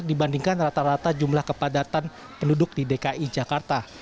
dibandingkan rata rata jumlah kepadatan penduduk di dki jakarta